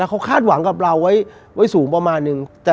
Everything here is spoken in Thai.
เขาคาดหวังกับเราไว้สูงประมาณนึง